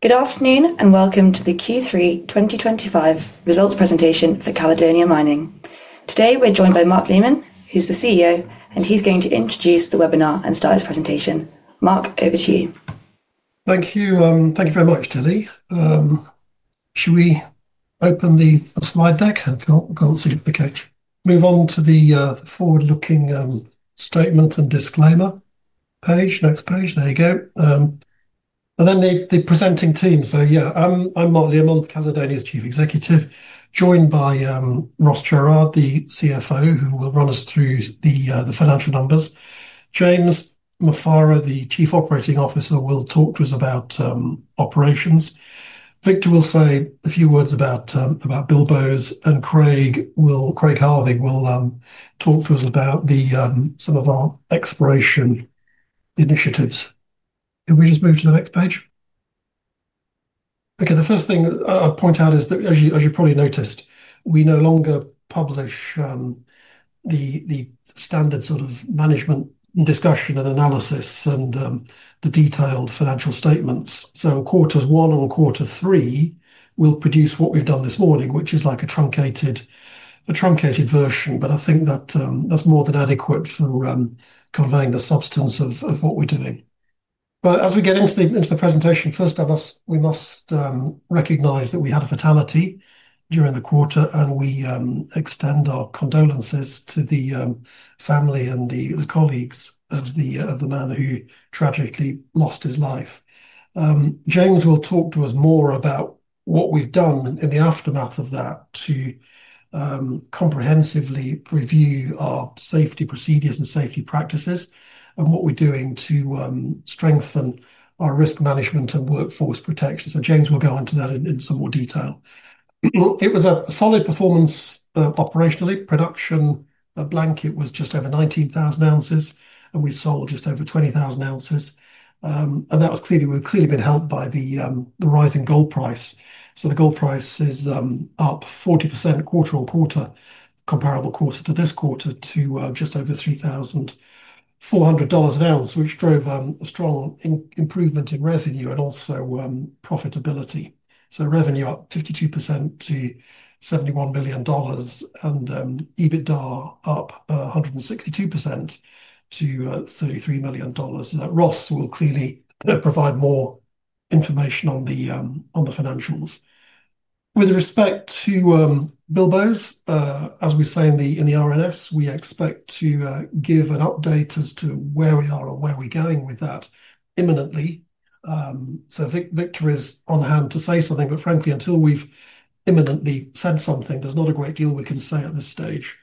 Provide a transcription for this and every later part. Good afternoon and welcome to the Q3 2025 results presentation for Caledonia Mining. Today we're joined by Mark Learmonth, who's the CEO, and he's going to introduce the webinar and start his presentation. Mark, over to you. Thank you. Thank you very much, Tilly. Should we open the slide deck? I can't seem to move on to the forward-looking statement and disclaimer page. Next page. There you go. And then the presenting team. Yeah, I'm Mark Learmonth, Caledonia's Chief Executive, joined by Ross Jerrard, the CFO, who will run us through the financial numbers. James Mufara, the Chief Operating Officer, will talk to us about operations. Victor will say a few words about Bilboes, and Craig Harvey will talk to us about some of our exploration initiatives. Can we just move to the next page? Okay, the first thing I'd point out is that, as you probably noticed, we no longer publish the standard sort of management discussion and analysis and the detailed financial statements. In Quarters One and Quarter Three, we'll produce what we've done this morning, which is like a truncated version, but I think that's more than adequate for conveying the substance of what we're doing. As we get into the presentation, first, we must recognize that we had a fatality during the quarter, and we extend our condolences to the family and the colleagues of the man who tragically lost his life. James will talk to us more about what we've done in the aftermath of that to comprehensively review our safety procedures and safety practices and what we're doing to strengthen our risk management and workforce protection. James will go into that in some more detail. It was a solid performance operationally. Production at Blanket was just over 19,000 oz, and we sold just over 20,000 oz. That was clearly, we have clearly been helped by the rising gold price. The gold price is up 40% quarter-on-quarter, comparable quarter to this quarter, to just over $3,400 an ounce, which drove a strong improvement in revenue and also profitability. Revenue is up 52% to $71 million, and EBITDA is up 162% to $33 million. Ross will clearly provide more information on the financials. With respect to Bilboes, as we say in the RNS, we expect to give an update as to where we are and where we are going with that imminently. Victor is on hand to say something, but frankly, until we have imminently said something, there is not a great deal we can say at this stage.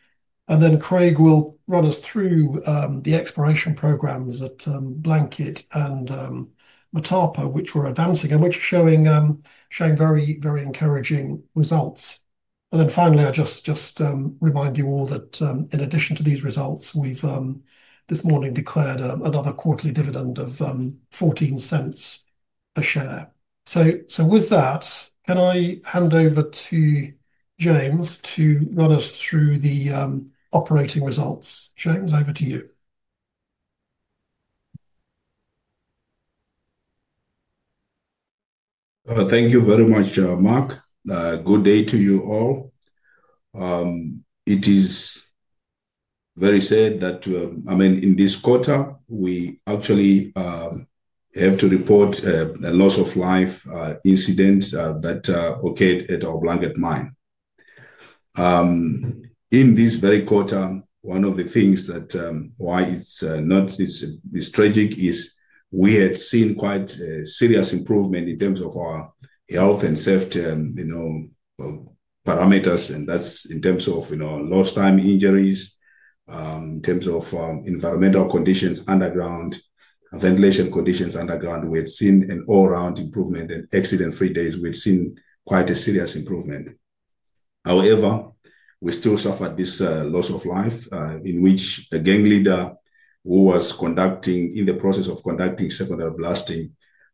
Craig will run us through the exploration programs at Blanket and Motapa, which we are advancing and which are showing very encouraging results. Finally, I just remind you all that in addition to these results, we have this morning declared another quarterly dividend of $0.14 a share. With that, can I hand over to James to run us through the operating results? James, over to you. Thank you very much, Mark. Good day to you all. It is very sad that, I mean, in this quarter, we actually have to report a loss of life incident that occurred at our Blanket Mine. In this very quarter, one of the things that why it's tragic is we had seen quite a serious improvement in terms of our health and safety param, and that's in terms of lost time injuries, in terms of environmental conditions underground, ventilation conditions underground. We had seen an all-round improvement in accident-free days. We'd seen quite a serious improvement. However, we still suffered this loss of life in which a gang leader who was in the process of conducting secondary blasting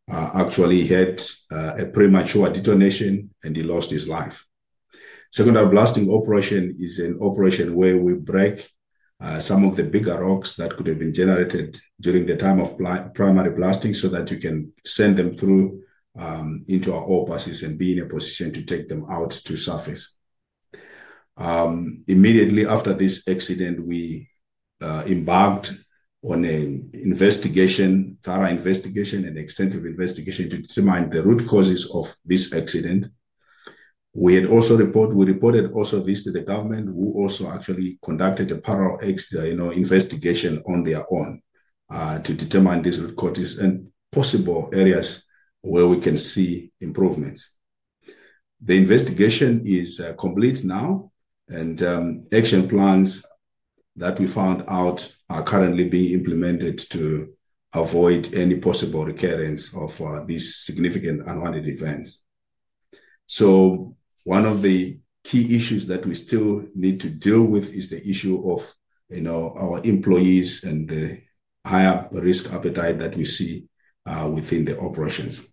actually had a premature detonation, and he lost his life. Secondary blasting operation is an operation where we break some of the bigger rocks that could have been generated during the time of primary blasting so that you can send them through into our ore passes and be in a position to take them out to surface. Immediately after this accident, we embarked on a thorough investigation and extensive investigation to determine the root causes of this accident. We reported also this to the government, who also actually conducted a thorough investigation on their own to determine these root causes and possible areas where we can see improvements. The investigation is complete now, and action plans that we found out are currently being implemented to avoid any possible recurrence of these significant unwanted events. One of the key issues that we still need to deal with is the issue of our employees and the higher risk appetite that we see within the operations.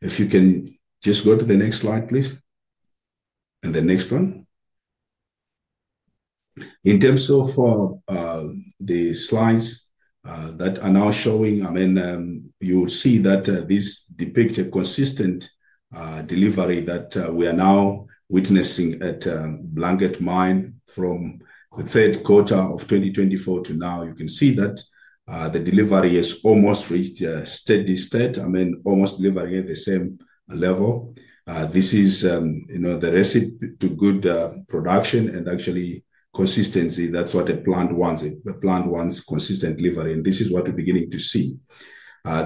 If you can just go to the next slide, please. And the next one. In terms of the slides that are now showing, I mean, you will see that this depicts a consistent delivery that we are now witnessing at Blanket Mine from the third quarter of 2024 to now. You can see that the delivery has almost reached steady state, I mean, almost delivering at the same level. This is the recipe to good production and actually consistency. That is what the planned ones consistently deliver, and this is what we are beginning to see.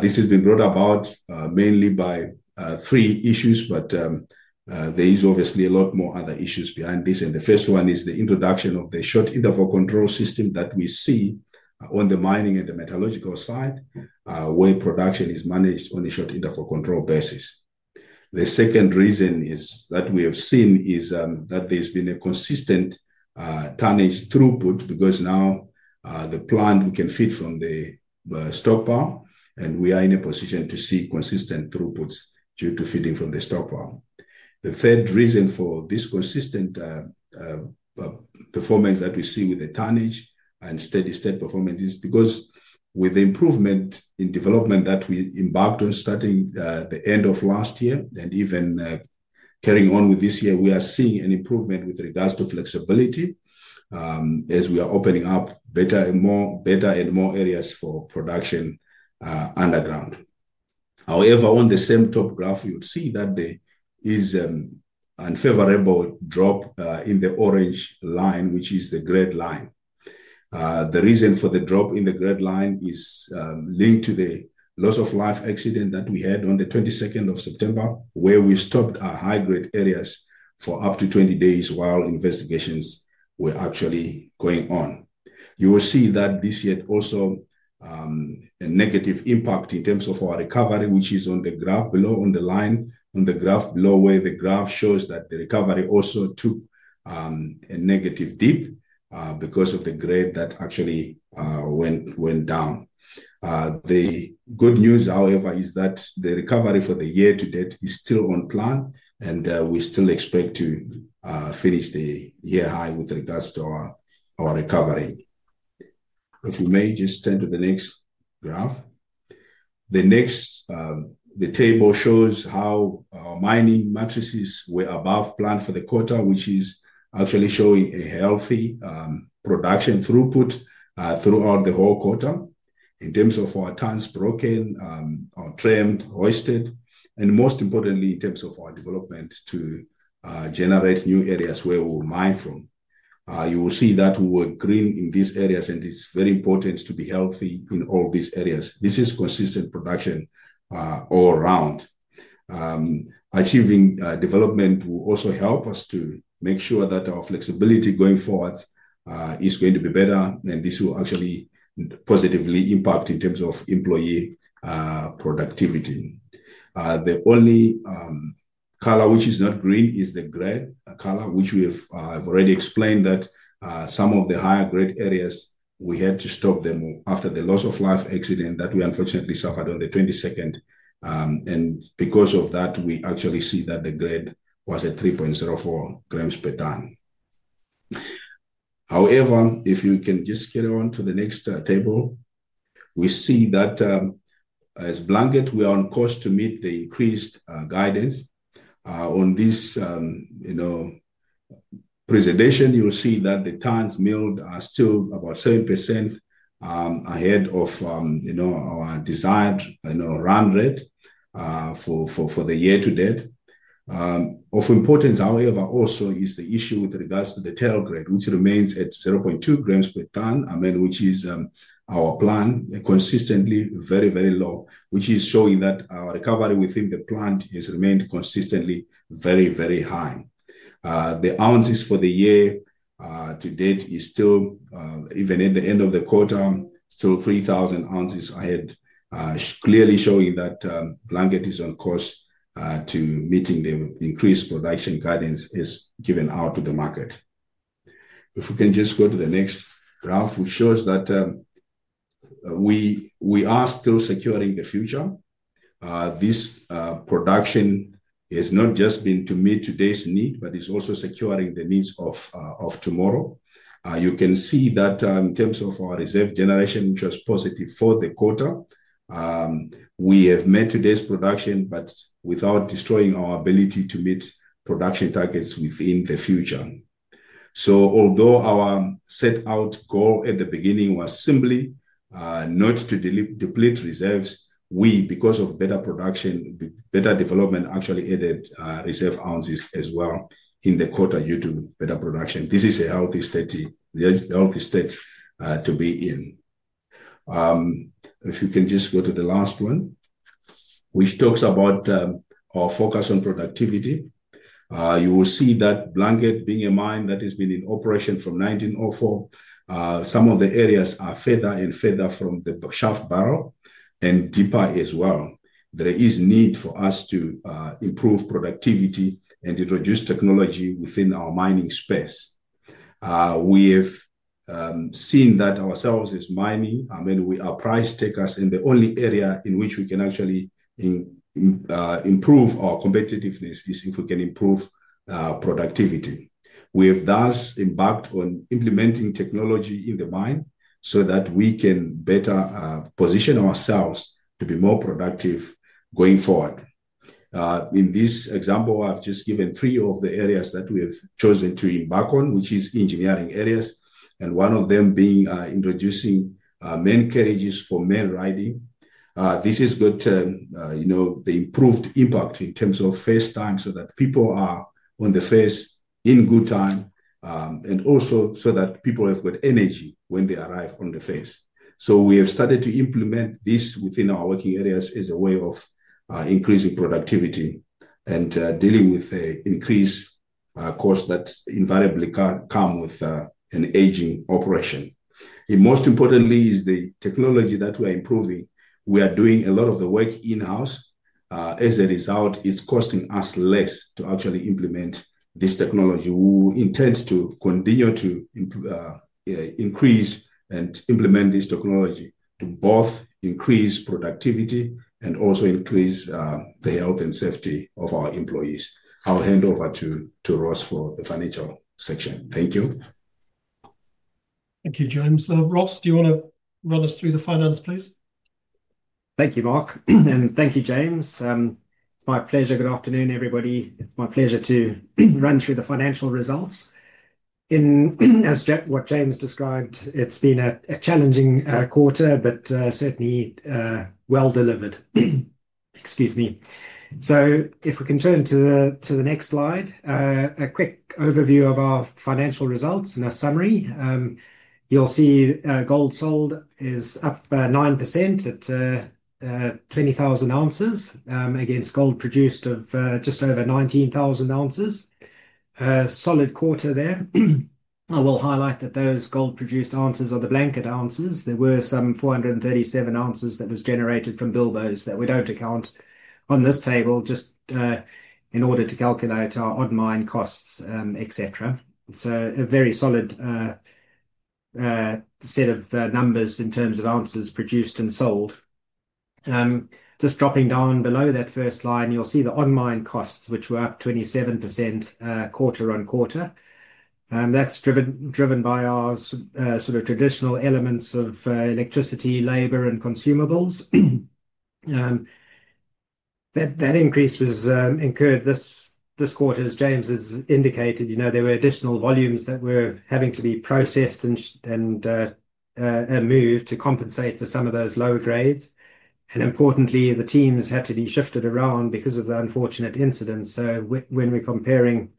This has been brought about mainly by three issues, but there is obviously a lot more other issues behind this. The first one is the introduction of the short interval control system that we see on the mining and the metallurgical side where production is managed on a short interval control basis. The second reason that we have seen is that there's been a consistent tonnage throughput because now the plant can feed from the stockpile, and we are in a position to see consistent throughputs due to feeding from the stockpile. The third reason for this consistent performance that we see with the tonnage and steady state performance is because with the improvement in development that we embarked on starting the end of last year and even carrying on with this year, we are seeing an improvement with regards to flexibility as we are opening up more and more areas for production underground. However, on the same top graph, you'll see that there is an unfavorable drop in the orange line, which is the grid line. The reason for the drop in the grid line is linked to the loss of life accident that we had on the 22nd of September, where we stopped our high-grade areas for up to 20 days while investigations were actually going on. You will see that this had also a negative impact in terms of our recovery, which is on the graph below, on the graph below where the graph shows that the recovery also took a negative dip because of the grade that actually went down. The good news, however, is that the recovery for the year-to-date is still on plan, and we still expect to finish the year high with regards to our recovery. If you may just turn to the next graph. The table shows how our mining metrics were above plan for the quarter, which is actually showing a healthy production throughput throughout the whole quarter in terms of our tonnes broken, trammed, hoisted, and most importantly, in terms of our development to generate new areas where we'll mine from. You will see that we were green in these areas, and it's very important to be healthy in all these areas. This is consistent production all around. Achieving development will also help us to make sure that our flexibility going forward is going to be better, and this will actually positively impact in terms of employee productivity. The only color which is not green is the Grade color, which we have already explained that some of the higher-grade areas we had to stop them after the loss of life accident that we unfortunately suffered on the 22nd. Because of that, we actually see that the grid was at 3.04 g/ton. However, if you can just carry on to the next table, we see that as Blanket, we are on course to meet the increased guidance. On this presentation, you'll see that the tons milled are still about 7% ahead of our desired run rate for the year-to-date. Of importance, however, also is the issue with regards to the Tail Grade, which remains at 0.2 g/ton, which is our plan, consistently very, very low, which is showing that our recovery within the plant has remained consistently very, very high. The ounces for the year-to-date is still, even at the end of the quarter, still 3,000 oz ahead, clearly showing that Blanket is on course to meeting the increased production guidance as given out to the market. If we can just go to the next graph, which shows that we are still securing the future. This production has not just been to meet today's need, but it's also securing the needs of tomorrow. You can see that in terms of our reserve generation, which was positive for the quarter, we have met today's production, but without destroying our ability to meet production targets within the future. Although our set out goal at the beginning was simply not to deplete reserves, we, because of better production, better development, actually added reserve ounces as well in the quarter due to better production. This is a healthy state to be in. If you can just go to the last one, which talks about our focus on productivity, you will see that Blanket, being a mine that has been in operation from 1904, some of the areas are further and further from the shaft barrel and deeper as well. There is need for us to improve productivity and introduce technology within our mining space. We have seen that ourselves as mining, I mean, we are price takers in the only area in which we can actually improve our competitiveness is if we can improve productivity. We have thus embarked on implementing technology in the mine so that we can better position ourselves to be more productive going forward. In this example, I've just given three of the areas that we have chosen to embark on, which is engineering areas, and one of them being introducing main carriages for main riding. This has got the improved impact in terms of face time so that people are on the face in good time and also so that people have good energy when they arrive on the face. We have started to implement this within our working areas as a way of increasing productivity and dealing with the increased cost that invariably comes with an aging operation. Most importantly, is the technology that we are improving. We are doing a lot of the work in-house. As a result, it's costing us less to actually implement this technology. We intend to continue to increase and implement this technology to both increase productivity and also increase the health and safety of our employees. I'll hand over to Ross for the financial section. Thank you. Thank you, James. Ross, do you want to run us through the finance, please? Thank you, Mark, and thank you, James. It's my pleasure. Good afternoon, everybody. It's my pleasure to run through the financial results. As what James described, it's been a challenging quarter, but certainly well delivered. Excuse me. If we can turn to the next slide, a quick overview of our financial results and a summary. You'll see gold sold is up 9% at 20,000 oz against gold produced of just over 19,000 oz. Solid quarter there. I will highlight that those gold produced ounces are the Blanket ounces. There were some 437 oz that were generated from Bilboes that we don't account on this table just in order to calculate our on-mine costs, etc. A very solid set of numbers in terms of ounces produced and sold. Just dropping down below that first line, you'll see the on-mine costs, which were up 27% quarter-on-quarter. That's driven by our sort of traditional elements of electricity, labor, and consumables. That increase was incurred this quarter, as James has indicated. There were additional volumes that were having to be processed and moved to compensate for some of those lower grades. Importantly, the teams had to be shifted around because of the unfortunate incidents. When we're comparing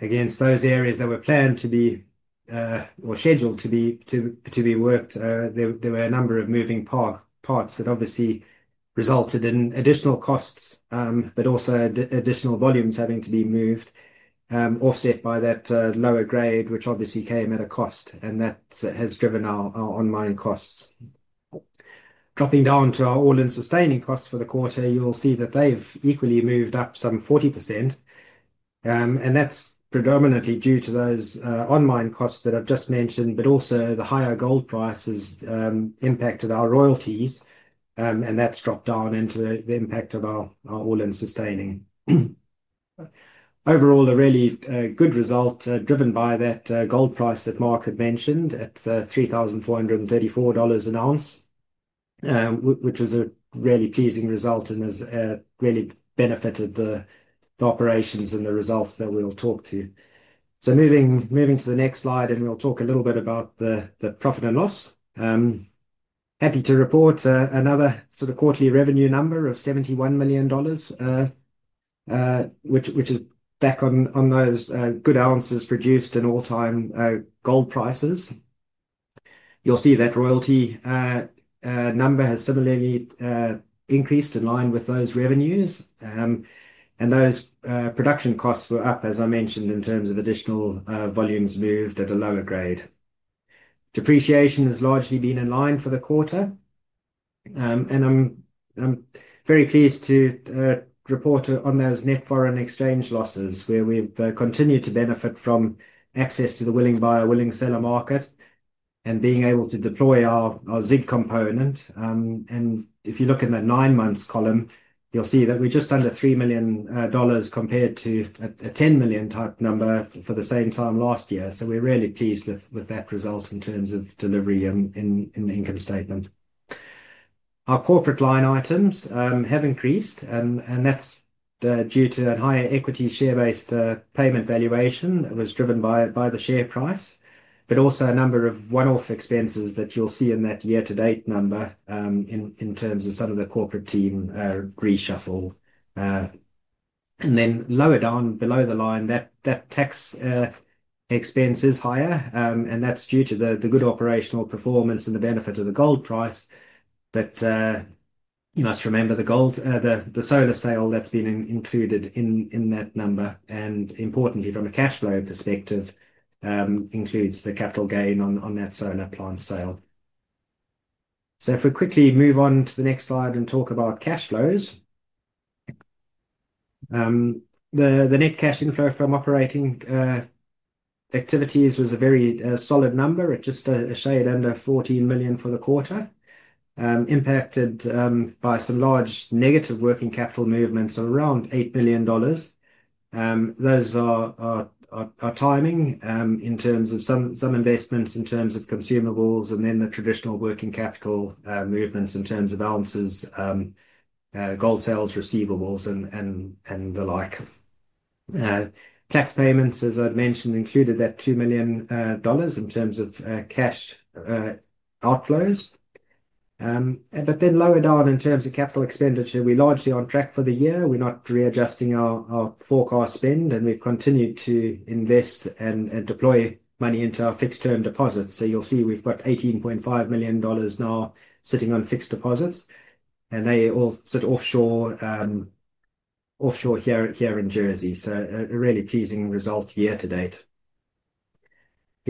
against those areas that were planned to be or scheduled to be worked, there were a number of moving parts that obviously resulted in additional costs, but also additional volumes having to be moved, offset by that lower grade, which obviously came at a cost, and that has driven our on-mine costs. Dropping down to our all-in sustaining costs for the quarter, you'll see that they've equally moved up some 40%. That is predominantly due to those on-mine costs that I have just mentioned, but also the higher gold prices impacted our royalties, and that has dropped down into the impact of our all-in sustaining. Overall, a really good result driven by that gold price that Mark had mentioned at $3,434 an ounce, which was a really pleasing result and has really benefited the operations and the results that we will talk to. Moving to the next slide, we will talk a little bit about the profit and loss. Happy to report another sort of quarterly revenue number of $71 million, which is back on those good ounces produced in all-time gold prices. You will see that royalty number has similarly increased in line with those revenues. Those production costs were up, as I mentioned, in terms of additional volumes moved at a lower grade. Depreciation has largely been in line for the quarter. I am very pleased to report on those net foreign exchange losses where we have continued to benefit from access to the willing buyer, willing seller market, and being able to deploy our ZIG component. If you look in the 9 months column, you will see that we are just under $3 million compared to a $10 million type number for the same time last year. We are really pleased with that result in terms of delivery and income statement. Our corporate line items have increased, and that is due to a higher equity share-based payment valuation that was driven by the share price, but also a number of one-off expenses that you will see in that year-to-date number in terms of some of the corporate team reshuffle. Lower down below the line, that tax expense is higher, and that's due to the good operational performance and the benefit of the gold price. You must remember the solar sale that's been included in that number, and importantly, from a cash flow perspective, includes the capital gain on that solar plant sale. If we quickly move on to the next slide and talk about cash flows. The net cash inflow from operating activities was a very solid number. It's just a shade under $14 million for the quarter, impacted by some large negative working capital movements of around $8 million. Those are timing in terms of some investments in terms of consumables and then the traditional working capital movements in terms of ounces, gold sales, receivables, and the like. Tax payments, as I'd mentioned, included that $2 million in terms of cash outflows. Lower down in terms of capital expenditure, we're largely on track for the year. We're not readjusting our forecast spend, and we've continued to invest and deploy money into our fixed-term deposits. You'll see we've got $18.5 million now sitting on fixed deposits, and they all sit offshore here in Jersey. A really pleasing result year-to-date.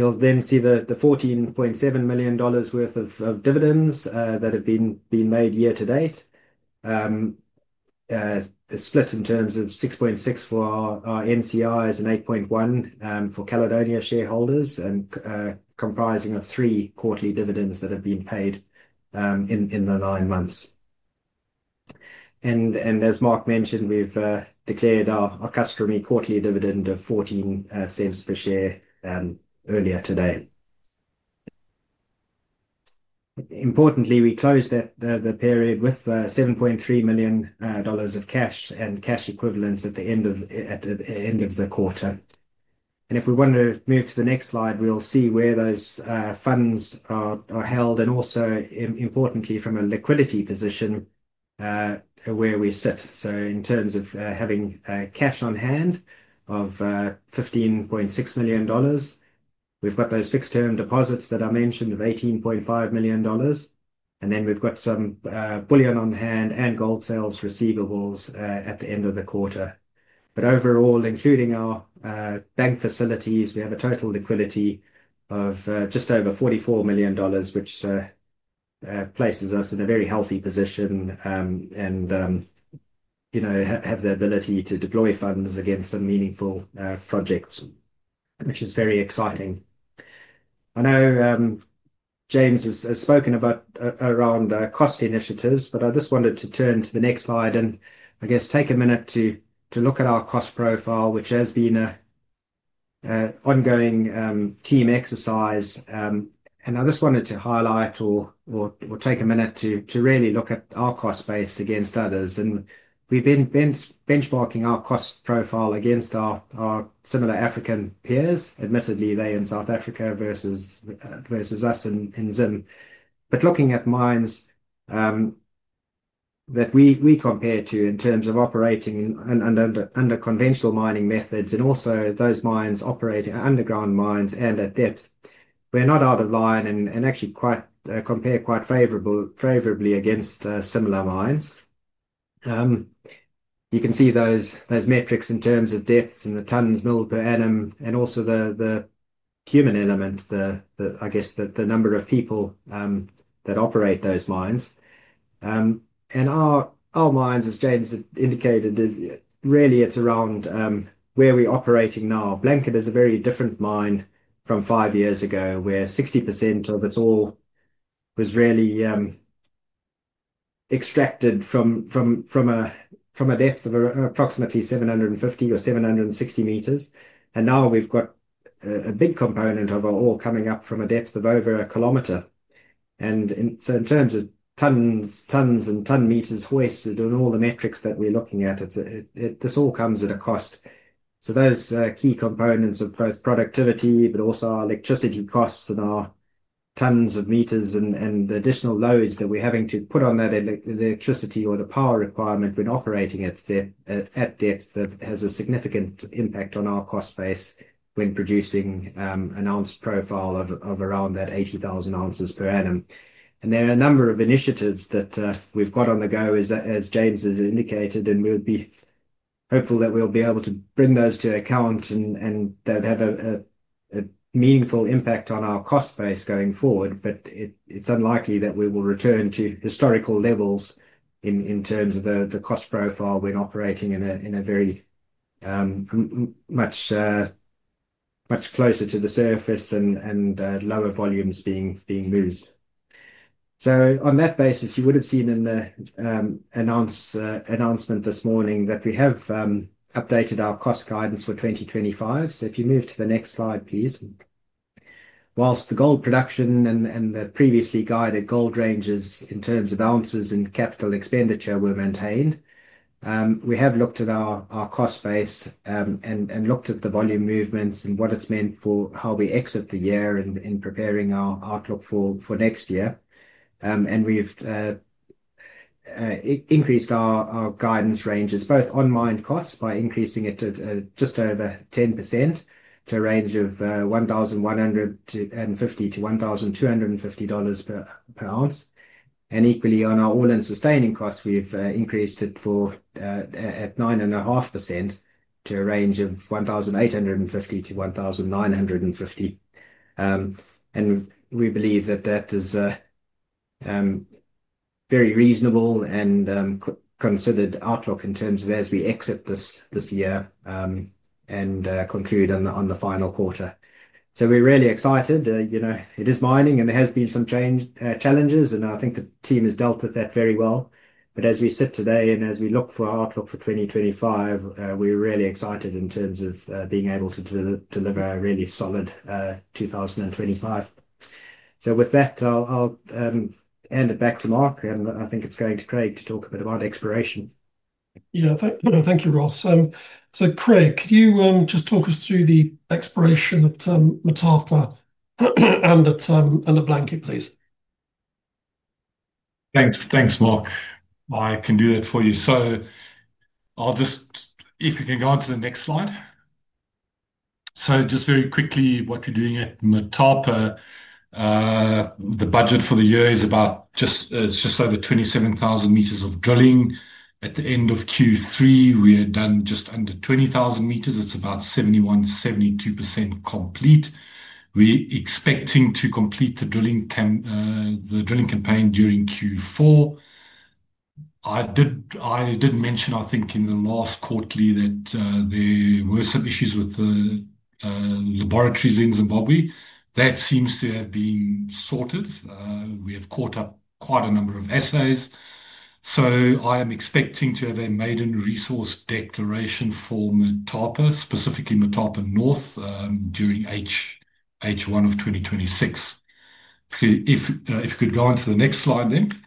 You'll then see the $14.7 million worth of dividends that have been made year-to-date, split in terms of $6.6 million for our NCIs and $8.1 million for Caledonia shareholders, comprising three quarterly dividends that have been paid in the 9 months. As Mark mentioned, we've declared our customary quarterly dividend of $0.14 per share earlier today. Importantly, we closed the period with $7.3 million of cash and cash equivalents at the end of the quarter. If we want to move to the next slide, we'll see where those funds are held and also, importantly, from a liquidity position where we sit. In terms of having cash on hand of $15.6 million, we've got those fixed-term deposits that I mentioned of $18.5 million. We've got some bullion on hand and gold sales receivables at the end of the quarter. Overall, including our bank facilities, we have a total liquidity of just over $44 million, which places us in a very healthy position and have the ability to deploy funds against some meaningful projects, which is very exciting. I know James has spoken about cost initiatives, but I just wanted to turn to the next slide and, I guess, take a minute to look at our cost profile, which has been an ongoing team exercise. I just wanted to highlight or take a minute to really look at our cost base against others. We've been benchmarking our cost profile against our similar African peers. Admittedly, they are in South Africa versus us in Zim. Looking at mines that we compare to in terms of operating under conventional mining methods and also those mines operating underground mines and at depth, we're not out of line and actually compare quite favorably against similar mines. You can see those metrics in terms of depths and the tons, mill per annum, and also the human element, I guess, the number of people that operate those mines. Our mines, as James indicated, really it's around where we're operating now. Blanket is a very different mine from 5 years ago where 60% of it all was really extracted from a depth of approximately 750 m or 760 m. Now we have got a big component of it all coming up from a depth of over 1 km. In terms of tons and ton-meters hoisted and all the metrics that we are looking at, this all comes at a cost. Those key components of both productivity, but also our electricity costs and our tons of meters and the additional loads that we are having to put on that electricity or the power requirement when operating at depth, have a significant impact on our cost base when producing an ounce profile of around that 80,000 oz per annum. There are a number of initiatives that we have got on the go, as James has indicated, and we will be hopeful that we will be able to bring those to account and that have a meaningful impact on our cost base going forward. It's unlikely that we will return to historical levels in terms of the cost profile when operating in a very much closer to the surface and lower volumes being moved. On that basis, you would have seen in the announcement this morning that we have updated our cost guidance for 2025. If you move to the next slide, please. Whilst the gold production and the previously guided gold ranges in terms of ounces and capital expenditure were maintained, we have looked at our cost base and looked at the volume movements and what it's meant for how we exit the year in preparing our outlook for next year. We've increased our guidance ranges, both on-mine costs by increasing it just over 10% to a range of $1,150-$1,250 per ounce. Equally, on our all-in sustaining costs, we've increased it at 9.5% to a range of $1,850-$1,950. We believe that that is a very reasonable and considered outlook in terms of as we exit this year and conclude on the final quarter. We're really excited. It is mining, and there have been some challenges, and I think the team has dealt with that very well. As we sit today and as we look for our outlook for 2025, we're really excited in terms of being able to deliver a really solid 2025. With that, I'll hand it back to Mark, and I think it's going to Craig to talk a bit about exploration. Yeah, thank you, Ross. Craig, could you just talk us through the exploration of Motapa and the Blanket, please? Thanks, Mark. I can do that for you. If you can go on to the next slide. Just very quickly, what we are doing at Motapa, the budget for the year is just over 27,000 m of drilling. At the end of Q3, we had done just under 20,000 m. It is about 71%-72% complete. We are expecting to complete the drilling campaign during Q4. I did mention, I think, in the last quarterly that there were some issues with the laboratories in Zimbabwe. That seems to have been sorted. We have caught up quite a number of assays. I am expecting to have a maiden resource declaration for Motapa, specifically Motapa North, during H1 of 2026. If you could go on to the next slide then.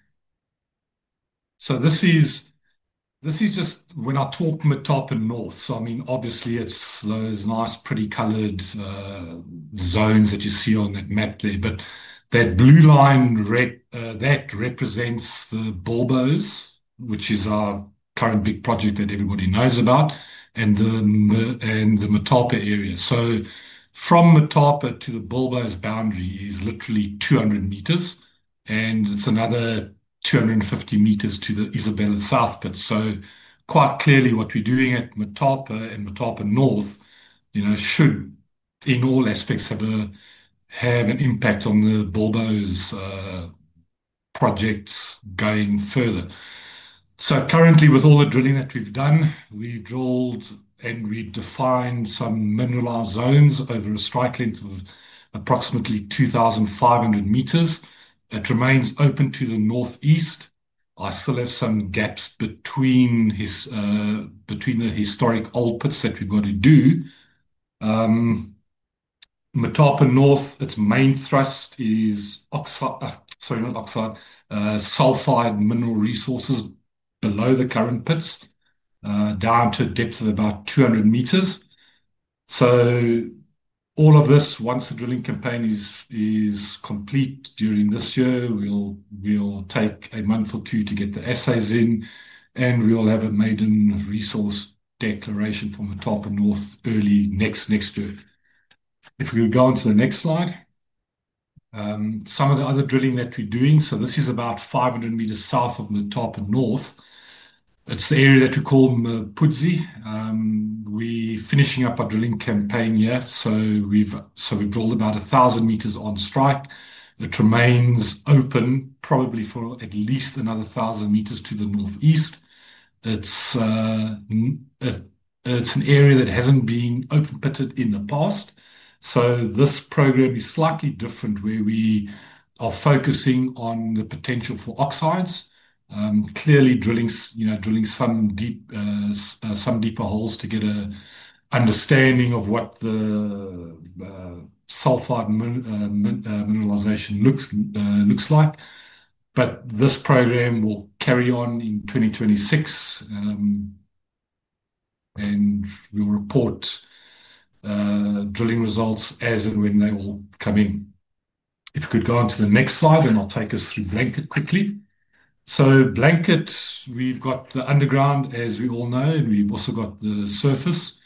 This is just when I talk Motapa North. I mean, obviously, it is those nice pretty colored zones that you see on that map there. That blue line, that represents the Bilboes, which is our current big project that everybody knows about, and the Motapa area. From Motapa to the Bilboes boundary is literally 200 m, and it's another 250 m to the Isabella South Pit. Quite clearly, what we're doing at Motapa and Motapa North should, in all aspects, have an impact on the Bilboes projects going further. Currently, with all the drilling that we've done, we've drilled and we've defined some mineral zones over a strike length of approximately 2,500 m. It remains open to the northeast. I still have some gaps between the historic old pits that we've got to do. Motapa North, its main thrust is sulfide mineral resources below the current pits, down to a depth of about 200 m. All of this, once the drilling campaign is complete during this year, we'll take a month or two to get the assays in, and we'll have a maiden resource declaration from Motapa North early next year. If we could go on to the next slide. Some of the other drilling that we're doing, this is about 500 m south of Motapa North. It's the area that we call Mpudzi. We're finishing up our drilling campaign here. We've drilled about 1,000 m on strike. It remains open, probably for at least another 1,000 m to the northeast. It's an area that hasn't been open-pitted in the past. This program is slightly different where we are focusing on the potential for oxides. Clearly, drilling some deeper holes to get an understanding of what the sulfide mineralization looks like. This program will carry on in 2026, and we'll report drilling results as and when they all come in. If you could go on to the next slide, I'll take us through Blanket quickly. Blanket, we've got the underground, as we all know, and we've also got the surface.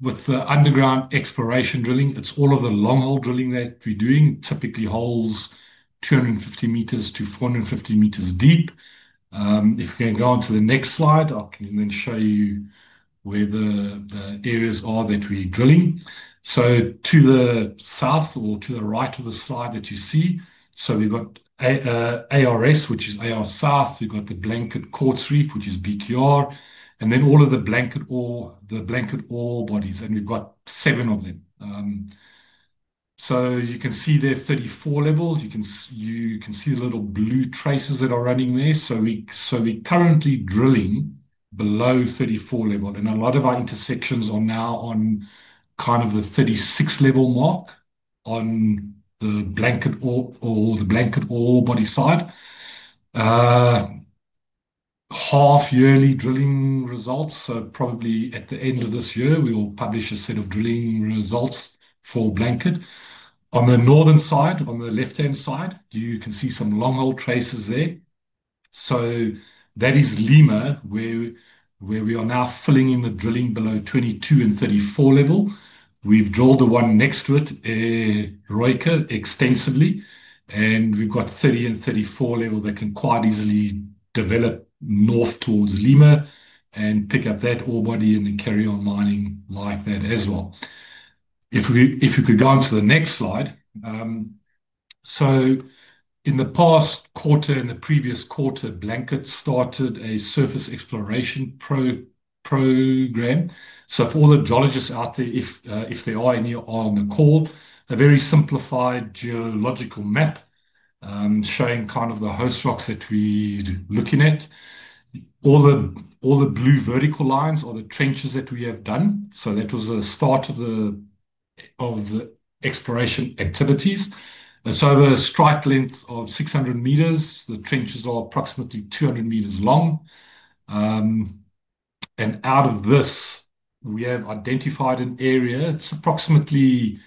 With the underground exploration drilling, it's all of the long-haul drilling that we're doing, typically holes 250 m to 450 m deep. If you can go on to the next slide, I can then show you where the areas are that we're drilling. To the south or to the right of the slide that you see, we've got ARS, which is AR South. We've got the Blanket Quartz Reef, which is BQR. Then all of the Blanket ore bodies. We've got seven of them. You can see there are 34 levels. You can see the little blue traces that are running there. We're currently drilling below 34 level. A lot of our intersections are now on kind of the 36-level mark on the Blanket ore body side. Half-yearly drilling results. Probably at the end of this year, we will publish a set of drilling results for Blanket. On the northern side, on the left-hand side, you can see some long-haul traces there. That is Lima, where we are now filling in the drilling below 22 and 34 level. We've drilled the one next to it, Eroica, extensively. We've got 30 and 34 level that can quite easily develop north towards Lima and pick up that ore body and then carry on mining like that as well. If you could go on to the next slide. In the past quarter and the previous quarter, Blanket started a surface exploration program. For all the geologists out there, if they are and you are on the call, a very simplified geological map showing kind of the host rocks that we're looking at. All the blue vertical lines are the trenches that we have done. That was the start of the exploration activities. The strike length of 600 m, the trenches are approximately 200 m long. Out of this, we have identified an area. It's approximately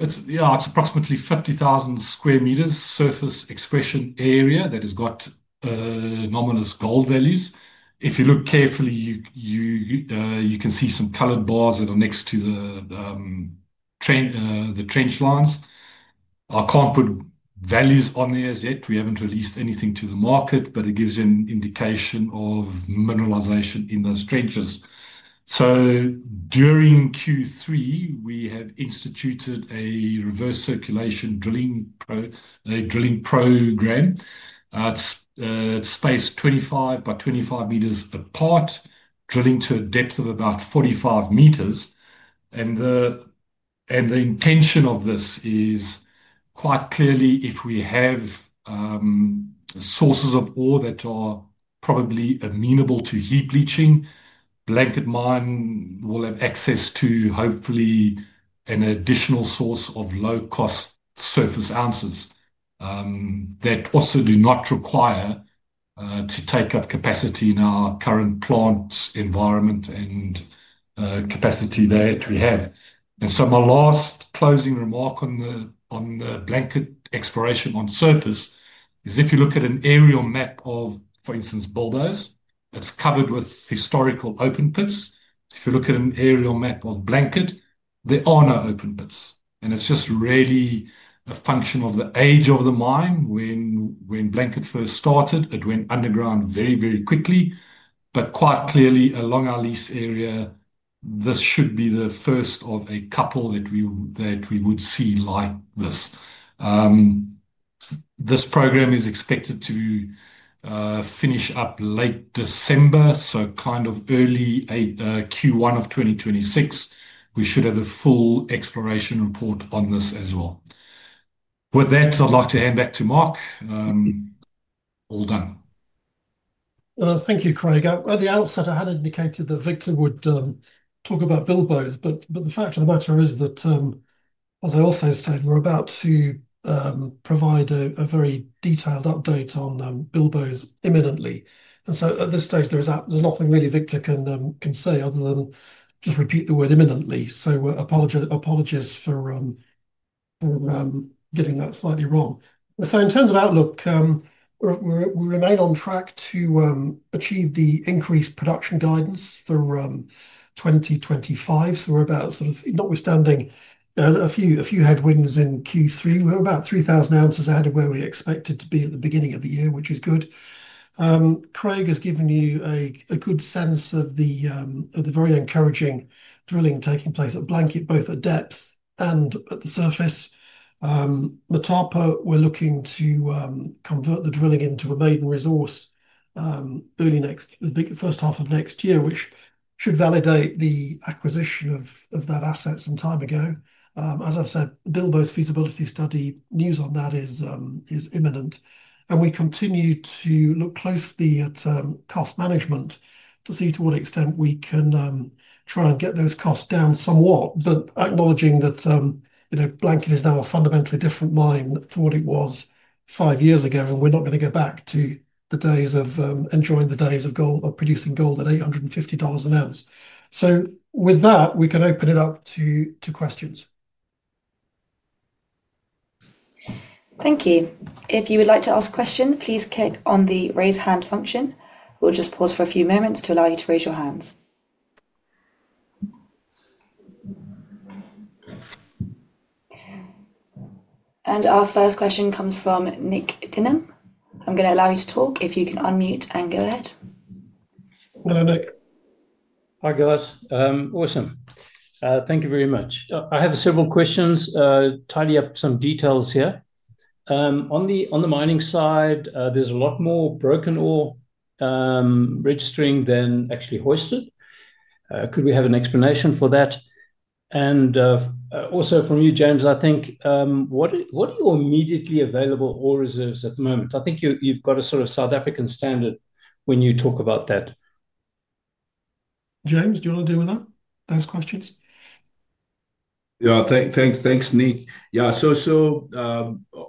50,000 sq m surface expression area that has got anomalous gold values. If you look carefully, you can see some colored bars that are next to the trench lines. I can't put values on there as yet. We haven't released anything to the market, but it gives an indication of mineralization in those trenches. During Q3, we have instituted a reverse circulation drilling program. It is spaced 25 m by 25 m apart, drilling to a depth of about 45 m. The intention of this is quite clearly if we have sources of ore that are probably amenable to heap leaching, Blanket Mine will have access to hopefully an additional source of low-cost surface ounces that also do not require to take up capacity in our current plant environment and capacity there that we have. My last closing remark on the Blanket exploration on surface is if you look at an aerial map of, for instance, Bilboes, it is covered with historical open pits. If you look at an aerial map of Blanket, there are no open pits. It is just really a function of the age of the mine. When Blanket first started, it went underground very, very quickly. Quite clearly, along our lease area, this should be the first of a couple that we would see like this. This program is expected to finish up late December, so kind of early Q1 of 2026. We should have a full exploration report on this as well. With that, I'd like to hand back to Mark. All done. Thank you, Craig. At the outset, I had indicated that Victor would talk about Bilboes, but the fact of the matter is that, as I also said, we're about to provide a very detailed update on Bilboes imminently. At this stage, there's nothing really Victor can say other than just repeat the word imminently. Apologies for getting that slightly wrong. In terms of outlook, we remain on track to achieve the increased production guidance for 2025. We're about sort of notwithstanding a few headwinds in Q3. We're about 3,000 oz ahead of where we expected to be at the beginning of the year, which is good. Craig has given you a good sense of the very encouraging drilling taking place at Blanket, both at depth and at the surface. Motapa, we're looking to convert the drilling into a maiden resource early next first half of next year, which should validate the acquisition of that asset some time ago. As I've said, Bilboes feasibility study news on that is imminent. We continue to look closely at cost management to see to what extent we can try and get those costs down somewhat. Acknowledging that Blanket is now a fundamentally different mine than it was 5 years ago, we're not going to go back to the days of enjoying the days of producing gold at $850 an ounce. With that, we can open it up to questions. Thank you. If you would like to ask a question, please click on the raise hand function. We'll just pause for a few moments to allow you to raise your hands. Our first question comes from Nic Dinham. I'm going to allow you to talk. If you can unmute and go ahead. Hello, Nic. Hi, guys. Awesome. Thank you very much. I have several questions, tidy up some details here. On the mining side, there's a lot more broken ore registering than actually hoisted. Could we have an explanation for that? Also from you, James, I think, what are your immediately available ore reserves at the moment? I think you've got a sort of South African standard when you talk about that. James, do you want to deal with those questions? Yeah, thanks, Nic. Yeah, so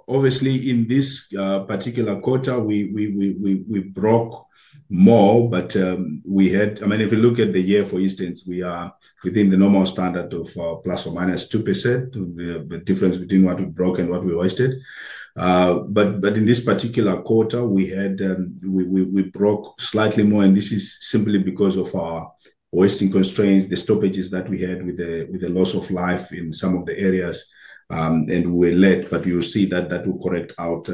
obviously, in this particular quarter, we broke more, but we had, I mean, if you look at the year, for instance, we are within the normal standard of ±2%, the difference between what we broke and what we hoisted. In this particular quarter, we broke slightly more, and this is simply because of our hoisting constraints, the stoppages that we had with the loss of life in some of the areas, and we were let. You'll see that that will correct out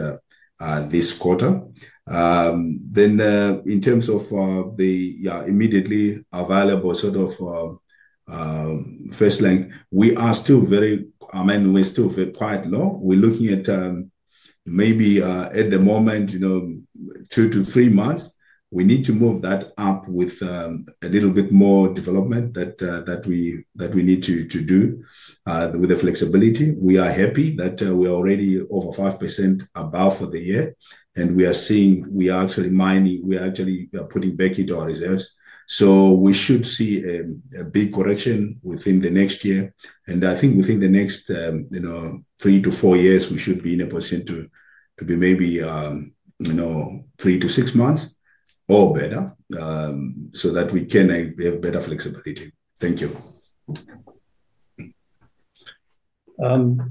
this quarter. In terms of the immediately available sort of first link, we are still very, I mean, we're still very quite low. We're looking at maybe at the moment, 2-3 months. We need to move that up with a little bit more development that we need to do with the flexibility. We are happy that we are already over 5% above for the year, and we are seeing we are actually mining, we are actually putting back into our reserves. We should see a big correction within the next year. I think within the next 3-4 years, we should be in a position to be maybe 3-6 months or better so that we can have better flexibility. Thank you.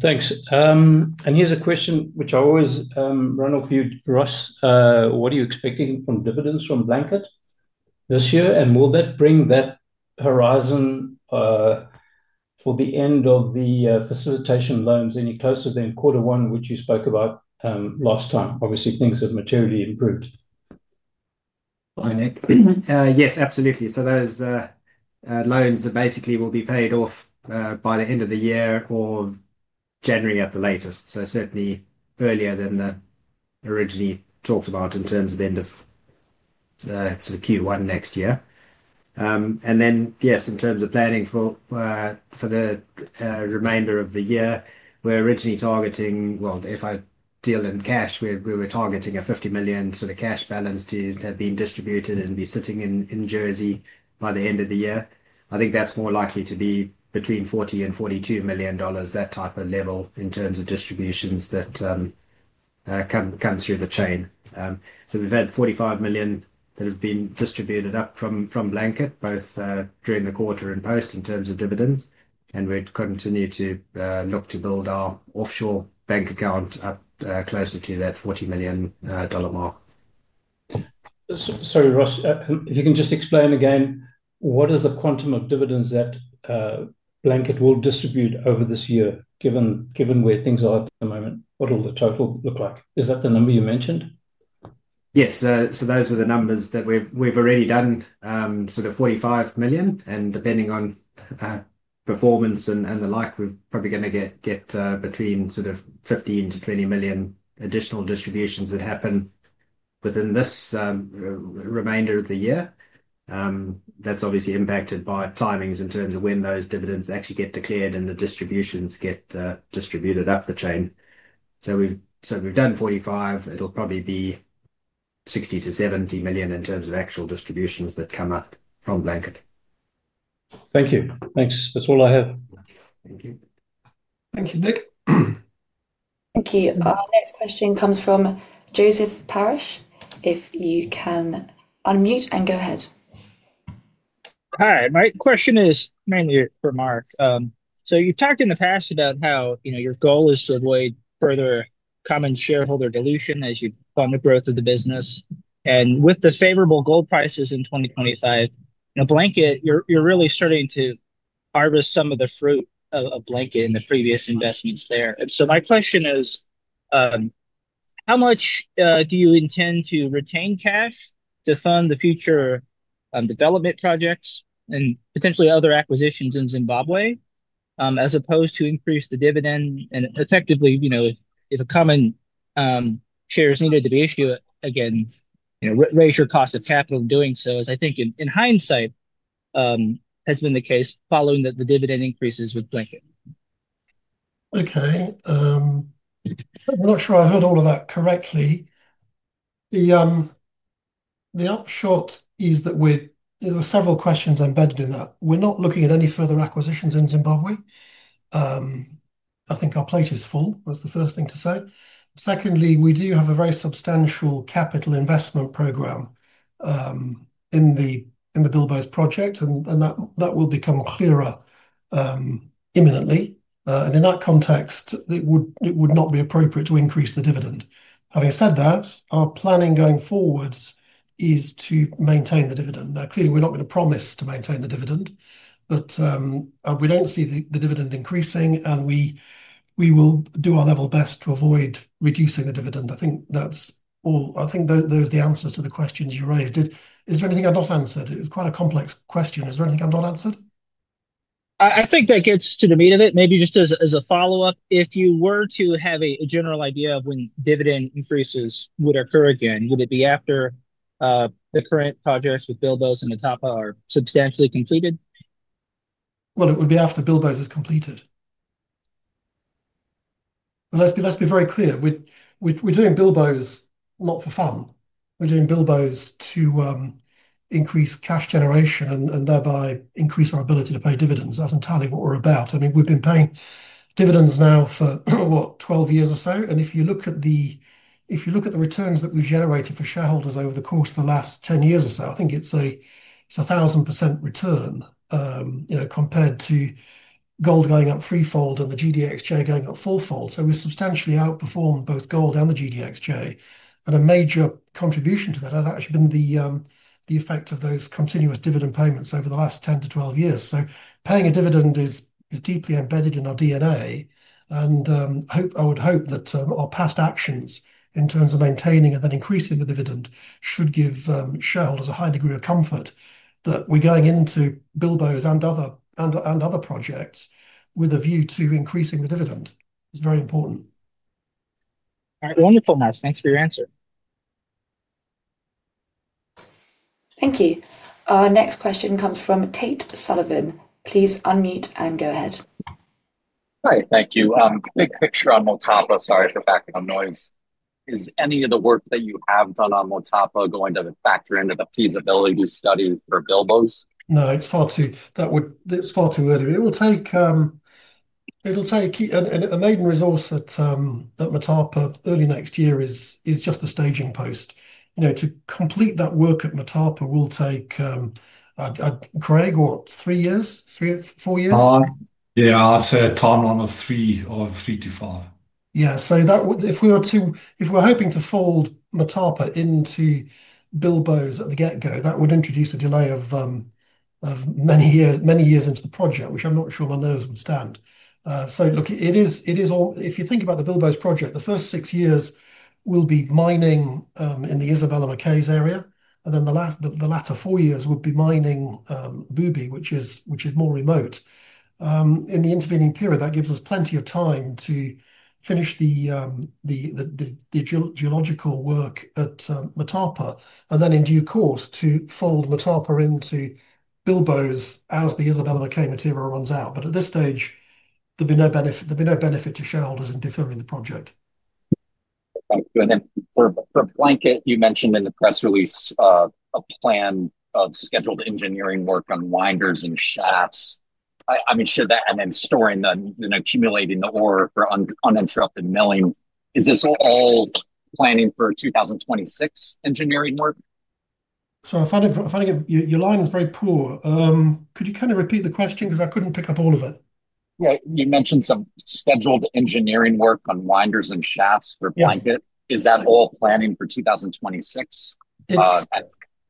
Thanks. Here is a question which I always run off you, Ross. What are you expecting from dividends from Blanket this year? Will that bring that horizon for the end of the facilitation loans any closer than quarter one, which you spoke about last time? Obviously, things have materially improved. Hi, Nick. Yes, absolutely. Those loans basically will be paid off by the end of the year or January at the latest, certainly earlier than originally talked about in terms of end of sort of Q1 next year. Yes, in terms of planning for the remainder of the year, we were originally targeting, if I deal in cash, we were targeting a $50 million sort of cash balance to have been distributed and be sitting in Jersey by the end of the year. I think that's more likely to be between $40 million and $42 million, that type of level in terms of distributions that come through the chain. We've had $45 million that have been distributed up from Blanket, both during the quarter and post in terms of dividends. We continue to look to build our offshore bank account up closer to that $40 million mark. Sorry, Ross. If you can just explain again, what is the quantum of dividends that Blanket will distribute over this year, given where things are at the moment? What will the total look like? Is that the number you mentioned? Yes. So those are the numbers that we've already done, sort of $45 million. And depending on performance and the like, we're probably going to get between sort of $15 million-$20 million additional distributions that happen within this remainder of the year. That's obviously impacted by timings in terms of when those dividends actually get declared and the distributions get distributed up the chain. So we've done $45 million. It'll probably be $60 million-$70 million in terms of actual distributions that come up from Blanket. Thank you. Thanks. That's all I have. Thank you. Thank you, Nick. Thank you. Our next question comes from Joseph Parrish. If you can unmute and go ahead. Hi. My question is mainly for Mark. You've talked in the past about how your goal is to avoid further common shareholder dilution as you fund the growth of the business. With the favorable gold prices in 2025, Blanket, you're really starting to harvest some of the fruit of Blanket and the previous investments there. My question is, how much do you intend to retain cash to fund the future development projects and potentially other acquisitions in Zimbabwe as opposed to increase the dividend? Effectively, if a common share is needed to be issued again, you raise your cost of capital in doing so, as I think in hindsight has been the case following the dividend increases with Blanket. Okay. I'm not sure I heard all of that correctly. The upshot is that there are several questions embedded in that. We're not looking at any further acquisitions in Zimbabwe. I think our plate is full. That's the first thing to say. Secondly, we do have a very substantial capital investment program in the Bilboes project, and that will become clearer imminently. In that context, it would not be appropriate to increase the dividend. Having said that, our planning going forwards is to maintain the dividend. Now, clearly, we're not going to promise to maintain the dividend, but we don't see the dividend increasing, and we will do our level best to avoid reducing the dividend. I think that's all. I think those are the answers to the questions you raised. Is there anything I've not answered? It was quite a complex question. Is there anything I've not answered? I think that gets to the meat of it. Maybe just as a follow-up, if you were to have a general idea of when dividend increases would occur again, would it be after the current projects with Bilboes and Motapa are substantially completed? It would be after Bilboes is completed. Let's be very clear. We're doing Bilboes not for fun. We're doing Bilboes to increase cash generation and thereby increase our ability to pay dividends. That's entirely what we're about. I mean, we've been paying dividends now for, what, 12 years or so. And if you look at the returns that we've generated for shareholders over the course of the last 10 years or so, I think it's a 1,000% return compared to gold going up threefold and the GDXJ going up fourfold. So we've substantially outperformed both gold and the GDXJ. A major contribution to that has actually been the effect of those continuous dividend payments over the last 10 to 12 years. Paying a dividend is deeply embedded in our DNA. I would hope that our past actions in terms of maintaining and then increasing the dividend should give shareholders a high degree of comfort that we're going into Bilboes and other projects with a view to increasing the dividend. It's very important. All right. Wonderful, Mark. Thanks for your answer. Thank you. Our next question comes from Tate Sullivan. Please unmute and go ahead. Hi. Thank you. Big picture on Motapa. Sorry for background noise. Is any of the work that you have done on Motapa going to factor into the feasibility study for Bilboes? No, it's far too that would it's far too early. It will take, it'll take a maiden resource at Motapa early next year is just a staging post. To complete that work at Motapa will take, Craig, what, 3 years, 4 years? Yeah, I'd say a timeline of 3-5. Yeah. If we were to, if we were hoping to fold Motapa into Bilboes at the get-go, that would introduce a delay of many years into the project, which I'm not sure my nerves would stand. Look, if you think about the Bilboes project, the first 6 years will be mining in the Isabella-McCays area, and then the latter 4 years would be mining Bubi, which is more remote. In the intervening period, that gives us plenty of time to finish the geological work at Motapa and then, in due course, to fold Motapa into Bilboes as the Isabella-McCays material runs out. At this stage, there'll be no benefit to shareholders in deferring the project. Thank you. For Blanket, you mentioned in the press release a plan of scheduled engineering work on winders and shafts. I mean, and then storing and accumulating the ore for uninterrupted milling. Is this all planning for 2026 engineering work? Sorry, I'm finding your line is very poor. Could you kind of repeat the question because I couldn't pick up all of it? Yeah. You mentioned some scheduled engineering work on winders and shafts for Blanket. Is that all planning for 2026?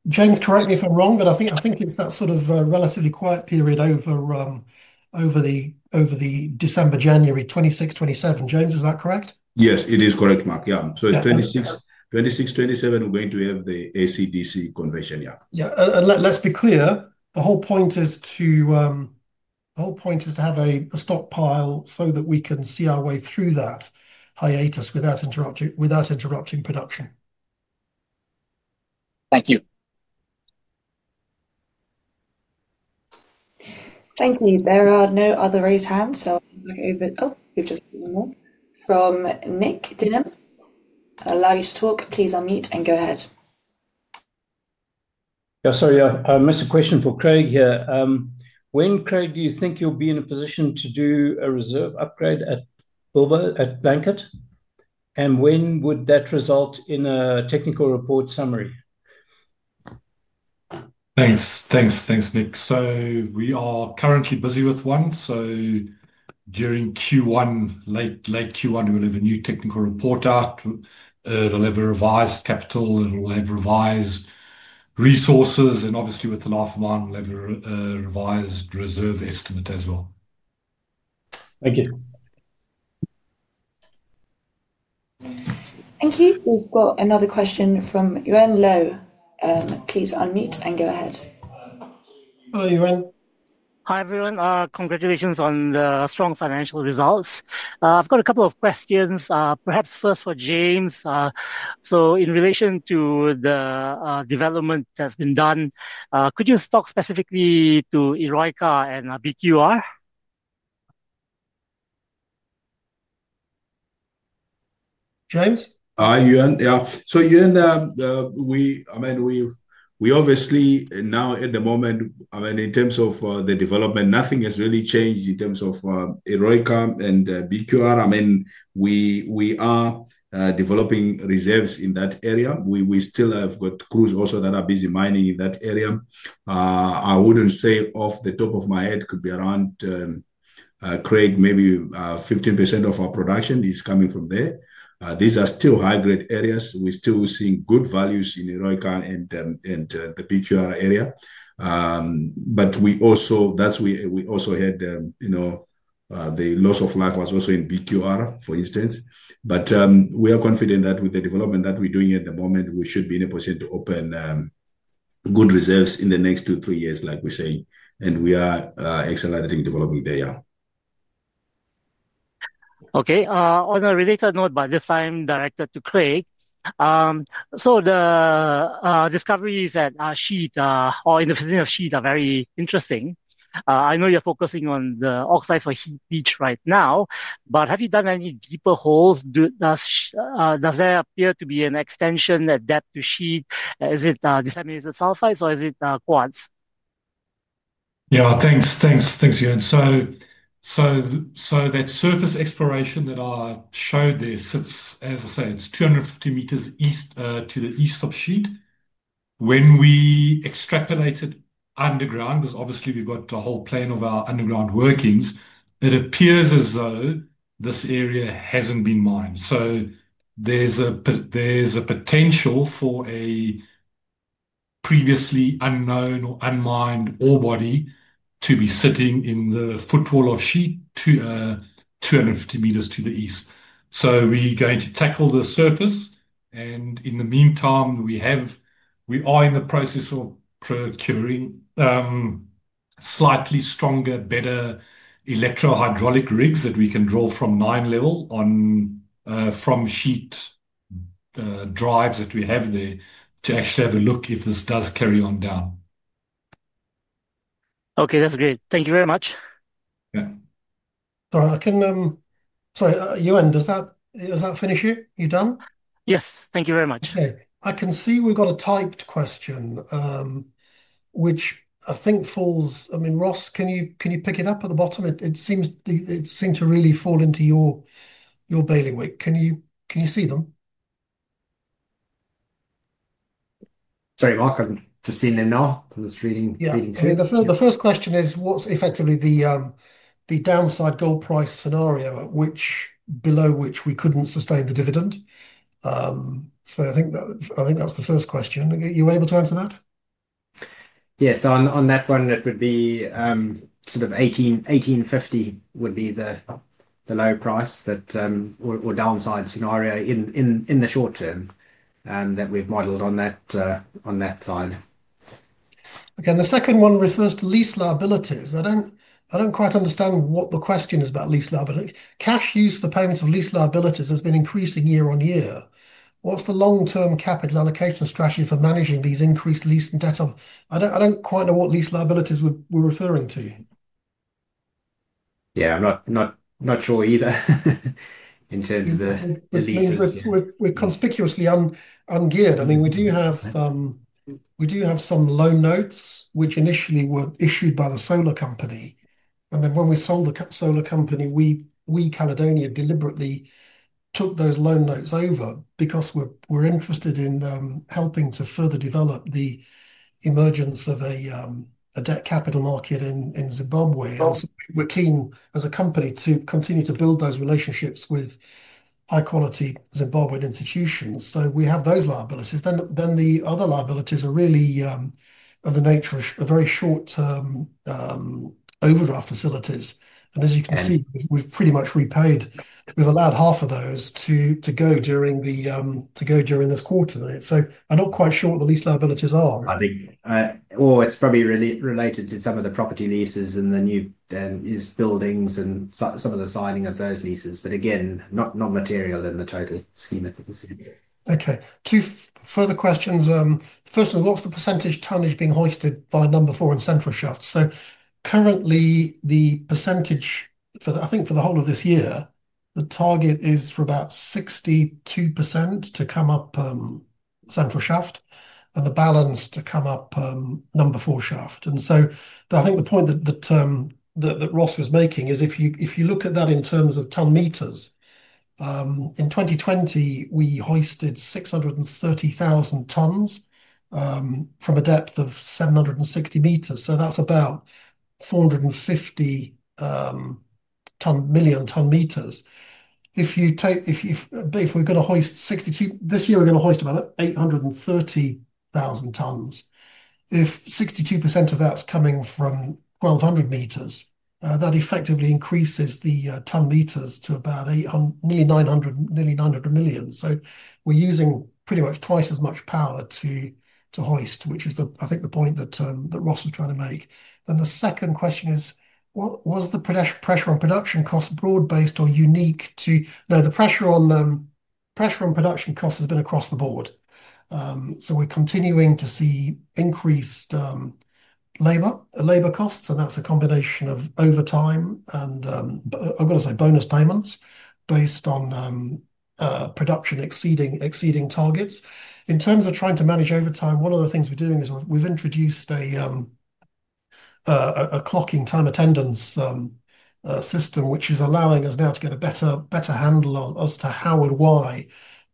James, correct me if I'm wrong, but I think it's that sort of relatively quiet period over the December, January, 2026, 2027. James, is that correct? Yes, it is correct, Mark. Yeah. So it's 2026, 2027, we're going to have the ACDC convention. Yeah. Yeah. Let's be clear. The whole point is to have a stockpile so that we can see our way through that hiatus without interrupting production. Thank you. Thank you. There are no other raised hands. I'll go over it. Oh, we've just got one more. From Nic Dinham. Allow you to talk. Please unmute and go ahead. Yeah. Sorry, I missed a question for Craig here. When, Craig, do you think you'll be in a position to do a reserve upgrade at Blanket? And when would that result in a technical report summary? Thanks. Thanks, Nic. So we are currently busy with one. During Q1, late Q1, we'll have a new technical report out. It'll have a revised capital, and it'll have revised resources. And obviously, with the life of mine, we'll have a revised reserve estimate as well. Thank you. Thank you. We've got another question from Yuen Lo. Please unmute and go ahead. Hello, Yuen. Hi, everyone. Congratulations on the strong financial results. I've got a couple of questions, perhaps first for James. In relation to the development that's been done, could you talk specifically to Eroica and BQR? James? Yeah. Yuen, I mean, we obviously now at the moment, in terms of the development, nothing has really changed in terms of Eroica and BQR. We are developing reserves in that area. We still have got crews also that are busy mining in that area. I wouldn't say off the top of my head, could be around, Craig, maybe 15% of our production is coming from there. These are still high-grade areas. We're still seeing good values in Eroica and the BQR area. That is where we also had the loss of life, also in BQR, for instance. We are confident that with the development that we are doing at the moment, we should be in a position to open good reserves in the next 2, 3 years, like we say. We are accelerating development there. Okay. On a related note, by this time, directed to Craig. The discoveries at our sheet or in the position of sheet are very interesting. I know you are focusing on the oxides for heat beach right now, but have you done any deeper holes? Does there appear to be an extension at depth to sheet? Is it disseminated sulfides or is it quartz? Yeah. Thanks. Thanks, Yuen. That surface exploration that I showed there, as I say, it is 250 m east to the east of sheet. When we extrapolated underground, because obviously we've got a whole plan of our underground workings, it appears as though this area hasn't been mined. There is a potential for a previously unknown or unmined ore body to be sitting in the foothold of sheet 250 m to the east. We are going to tackle the surface. In the meantime, we are in the process of procuring slightly stronger, better electrohydraulic rigs that we can draw from mine level from sheet drives that we have there to actually have a look if this does carry on down. Okay. That's great. Thank you very much. Yeah. All right. Sorry, Yuen, does that finish you? You done? Yes. Thank you very much. Okay. I can see we've got a typed question, which I think falls—I mean, Ross, can you pick it up at the bottom? It seems to really fall into your bailiwick. Can you see them? Sorry, Mark. I'm just seeing them now. It's reading through. The first question is, what's effectively the downside gold price scenario below which we couldn't sustain the dividend? I think that's the first question. Are you able to answer that? Yes. On that one, it would be sort of $1,850 would be the low price or downside scenario in the short term that we've modeled on that side. Okay. The second one refers to lease liabilities. I don't quite understand what the question is about lease liabilities. Cash used for payments of lease liabilities has been increasing year on year. What's the long-term capital allocation strategy for managing these increased lease and debt? I don't quite know what lease liabilities we're referring to. I'm not sure either in terms of the leases. We're conspicuously ungeared. I mean, we do have some loan notes which initially were issued by the solar company. And then when we sold the solar company, we, Caledonia, deliberately took those loan notes over because we're interested in helping to further develop the emergence of a debt capital market in Zimbabwe. Also, we're keen as a company to continue to build those relationships with high-quality Zimbabwean institutions. So we have those liabilities. The other liabilities are really of the nature of very short-term overdraft facilities. As you can see, we've pretty much repaid. We've allowed half of those to go during this quarter. I'm not quite sure what the lease liabilities are. I think it's probably related to some of the property leases and the new buildings and some of the signing of those leases. Again, not material in the total scheme. Okay. Two further questions. Firstly, what's the percentage tonnage being hoisted by number four and central shaft? Currently, the percentage, I think for the whole of this year, the target is for about 62% to come up central shaft and the balance to come up number four shaft. I think the point that Ross was making is if you look at that in terms of ton-meters, in 2020, we hoisted 630,000 tons from a depth of 760 m. That's about 450 million ton-meters. If we're going to hoist 62%, this year, we're going to hoist about 830,000 tons. If 62% of that's coming from 1,200 m, that effectively increases the ton-meters to about nearly 900 million. We're using pretty much twice as much power to hoist, which is, I think, the point that Ross was trying to make. The second question is, was the pressure on production cost broad-based or unique to? No, the pressure on production costs has been across the board. We are continuing to see increased labor costs. That is a combination of overtime and, I have got to say, bonus payments based on production exceeding targets. In terms of trying to manage overtime, one of the things we are doing is we have introduced a clocking time attendance system, which is allowing us now to get a better handle as to how and why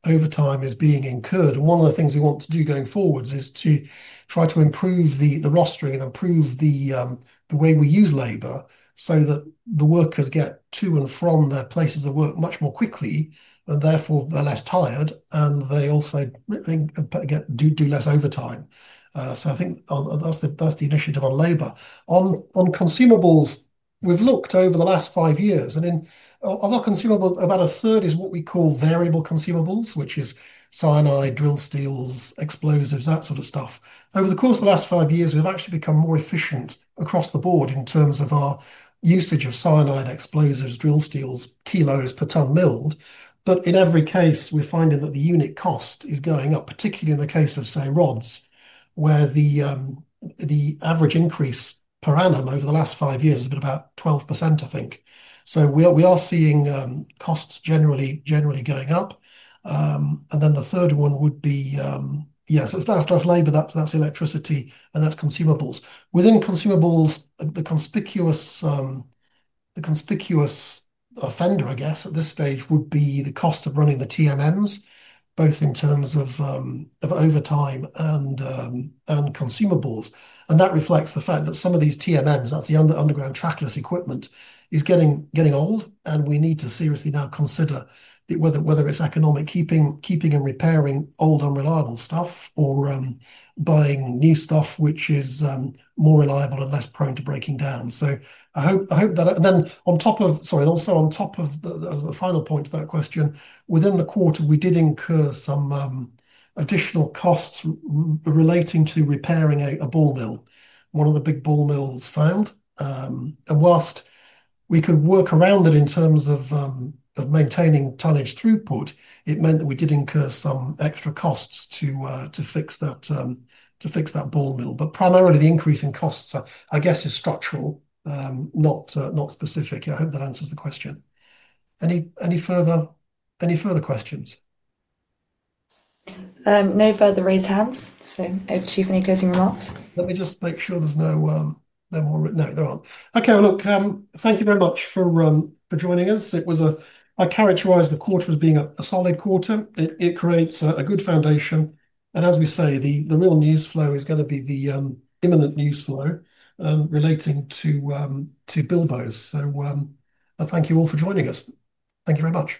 overtime is being incurred. One of the things we want to do going forwards is to try to improve the rostering and improve the way we use labor so that the workers get to and from their places of work much more quickly and therefore they are less tired, and they also do less overtime. I think that's the initiative on labor. On consumables, we've looked over the last 5 years. Of our consumables, about a third is what we call variable consumables, which is cyanide, drill steels, explosives, that sort of stuff. Over the course of the last 5 years, we've actually become more efficient across the board in terms of our usage of cyanide, explosives, drill steels, kilos per ton milled. In every case, we're finding that the unit cost is going up, particularly in the case of, say, rods, where the average increase per annum over the last 5 years has been about 12%, I think. We are seeing costs generally going up. The third one would be, yeah, that's labor, that's electricity, and that's consumables. Within consumables, the conspicuous offender, I guess, at this stage would be the cost of running the TMMs, both in terms of overtime and consumables. That reflects the fact that some of these TMMs, that's the underground trackless equipment, is getting old. We need to seriously now consider whether it's economic keeping and repairing old unreliable stuff or buying new stuff, which is more reliable and less prone to breaking down. I hope that. Also, on top of the final point to that question, within the quarter, we did incur some additional costs relating to repairing a ball mill, one of the big ball mills found. Whilst we could work around that in terms of maintaining tonnage throughput, it meant that we did incur some extra costs to fix that ball mill. But primarily, the increase in costs, I guess, is structural, not specific. I hope that answers the question. Any further questions? No further raised hands. So Chief, any closing remarks? Let me just make sure there's no more—no, there aren't. Okay. Look, thank you very much for joining us. I characterize the quarter as being a solid quarter. It creates a good foundation. As we say, the real news flow is going to be the imminent news flow relating to Bilboes. Thank you all for joining us. Thank you very much.